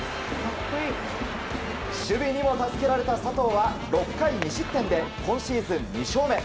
守備にも助けられた佐藤は６回２失点で今シーズン２勝目。